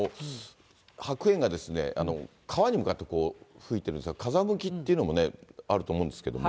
白煙が川に向かって吹いているんですが、風向きっていうのもあると思うんですけれども。